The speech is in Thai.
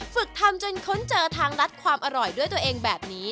ฝึกทำจนค้นเจอทางรัดความอร่อยด้วยตัวเองแบบนี้